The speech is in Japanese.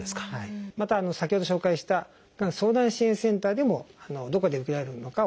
また先ほど紹介したがん相談支援センターでもどこで受けられるのかを教えてくれると思いますね。